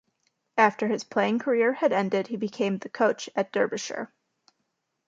After his playing career had ended, he became the coach at Derbyshire.